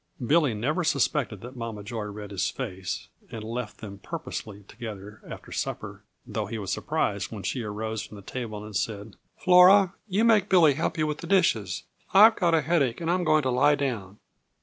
Billy never suspected that Mama Joy read his face and left them purposely together after supper, though he was surprised when she arose from the table and said: "Flora, you make Billy help you with the dishes. I've got a headache and I'm going to lie down."